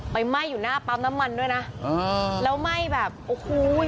ไหม้อยู่หน้าปั๊มน้ำมันด้วยนะอ่าแล้วไหม้แบบโอ้โห